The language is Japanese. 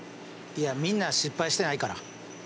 いやみんな失敗してないから。